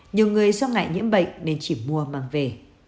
nhiều người do ngại nhiễm bệnh nên chỉ mua mang về